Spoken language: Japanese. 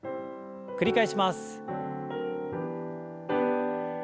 繰り返します。